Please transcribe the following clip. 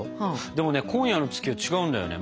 でもね今夜の月は違うんだよね。